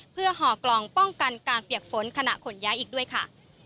เพื่อห่อกล่องป้องกันการเปียกฝนขณะขนย้ายอีกด้วยค่ะ